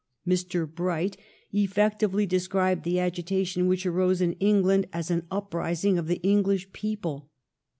Mr. Bright effectively described the agi tation which arose in England as an uprising of the English people.